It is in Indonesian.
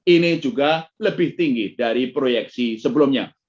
ini juga lebih tinggi dari proyeksi sebelumnya